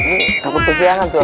ini udah ustaz rizwan juga